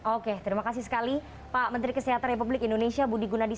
oke terima kasih sekali pak menteri kesehatan republik indonesia budi gunadi